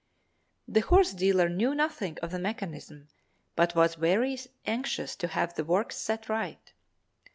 The horse dealer knew nothing of the mechanism but was very anxious to have the works set right.